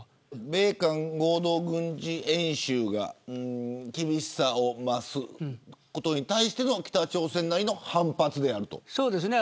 米韓合同軍事演習が厳しさを増すことに対しての北朝鮮なりの反発であると。